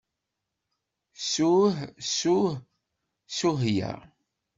Ssuh, ssuh ssuhya.